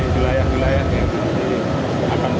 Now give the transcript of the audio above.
wilayah wilayah yang akan di